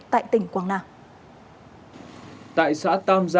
tại tỉnh quảng nam